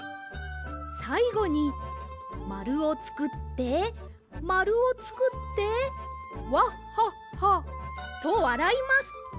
さいごにまるをつくってまるをつくってわっはっはとわらいます。